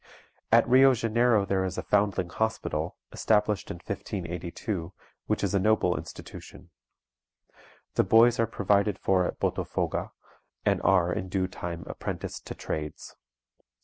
At Rio Janeiro there is a Foundling Hospital, established in 1582, which is a noble institution. The boys are provided for at Botofoga, and are in due time apprenticed to trades.